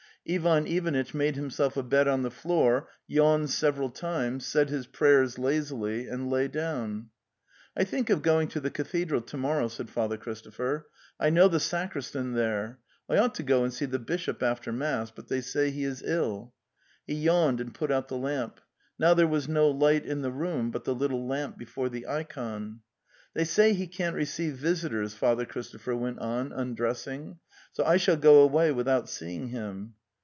Ivan Ivanitch made himself a bed on the floor, yawned several times, said his prayers lazily, and lay down. '""T think of going to the cathedral to morrow," said Father Christopher. ''I know the sacristan there. I ought to go and see the bishop after mass, but they say he is ill." He yawned and put out the lamp. Now there was no light in the room but the little lamp before the ikon. '" They say he can't receive visitors,' Father Chris topher went on, undressing. "So I shall go away without seeing him."